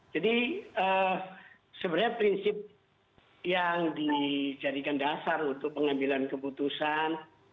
sebenarnya prinsip yang dijadikan dasar untuk pengambilan keputusan